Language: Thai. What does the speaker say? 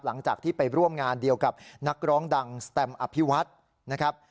หลังจากที่ไปร่วมงานเดียวกับนักร้องดังสแตมอภิวัฒน์นะครับ